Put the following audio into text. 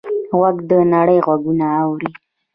غوږ د نړۍ غږونه اوري.